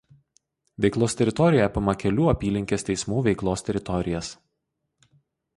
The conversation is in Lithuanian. Veiklos teritorija apima kelių apylinkės teismų veiklos teritorijas.